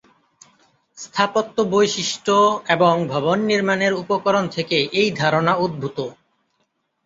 স্থাপত্য বৈশিষ্ট্য এবং ভবন নির্মাণের উপকরণ থেকে এই ধারণা উদ্ভূত।